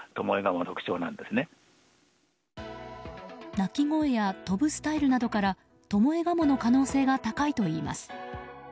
鳴き声や飛ぶスタイルなどからトモエガモの可能性が高いといいます。